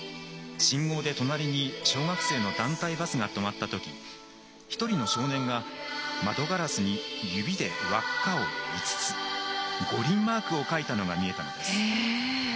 信号で隣に小学生の団体バスが止まったとき１人の少年が窓ガラスに指で輪っかを５つ五輪マークを書いたのが見えたのです。